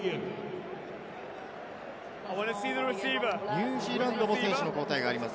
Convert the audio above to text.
ニュージーランドも選手の交代があります。